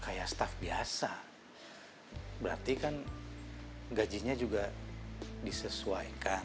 kayak staff biasa berarti kan gajinya juga disesuaikan